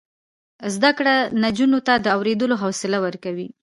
زده کړه نجونو ته د اوریدلو حوصله ورکوي.